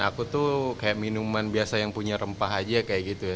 aku tuh kayak minuman biasa yang punya rempah aja kayak gitu ya